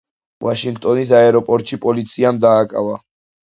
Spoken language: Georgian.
ვაშინგტონის აეროპორტში პოლიციამ დააკავა.